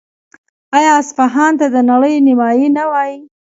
آیا اصفهان ته د نړۍ نیمایي نه وايي؟